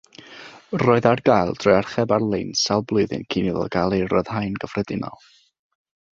Roedd ar gael drwy archeb ar-lein sawl blwyddyn cyn iddo gael ei ryddhau'n gyffredinol.